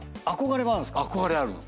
憧れあるの。